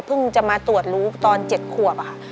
จะมาตรวจรู้ตอน๗ขวบค่ะ